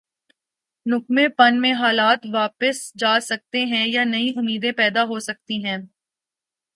نکمّے پن میں حالات واپس جا سکتے ہیں یا نئی امیدیں پیدا ہو سکتی ہیں۔